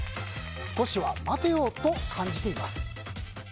少しは待てよと感じています。